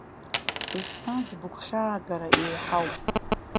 Еснагь быгәхьаагара еиҳауп.